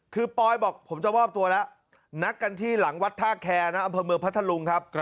คือปอยบอกผมจะมอบตัวแล้วนัดกันที่หลังวัดท่าแคร์นะอำเภอเมืองพัทธลุงครับ